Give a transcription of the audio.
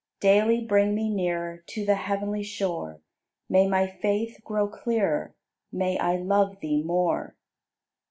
Daily bring me nearer To the heavenly shore; May my faith grow clearer. May I love Thee more!